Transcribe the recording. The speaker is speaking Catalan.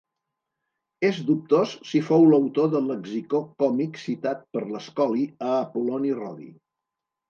És dubtós si fou l'autor del lexicó còmic citat per l'Escoli a Apol·loni Rodi.